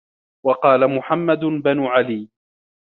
وَقَالَ مُحَمَّدُ بْنُ عَلِيٍّ